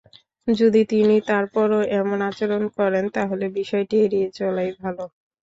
যদি তিনি তারপরও এমন আচরণ করেন, তাহলে বিষয়টি এড়িয়ে চলাই ভালো।